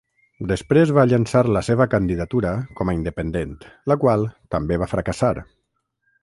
Després, va llançar la seva candidatura com a independent, la qual també va fracassar.